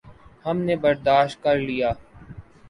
ہم نے برداشت کر لیا۔